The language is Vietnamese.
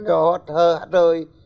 do hớ hát hơi